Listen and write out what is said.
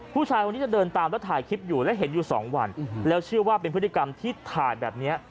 ผู้ชายคนนี้จะเดินตามแล้วถ่ายคลิปอยู่และเห็นอยู่สองวันแล้วเชื่อว่าเป็นพฤติกรรมที่ถ่ายแบบเนี้ย